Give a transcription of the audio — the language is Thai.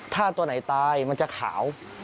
ถ้าตัวไหนตายมันจะขาว